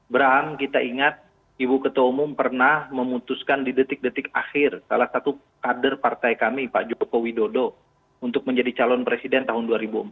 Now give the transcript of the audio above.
bram kita ingat ibu ketua umum pernah memutuskan di detik detik akhir salah satu kader partai kami pak joko widodo untuk menjadi calon presiden tahun dua ribu empat belas